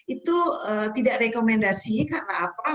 itu tidak rekomendasi karena apa